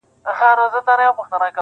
دوه او درې بد صفتونه یې لا نور وي -